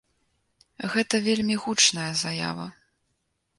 Гэта вельмі гучная заява.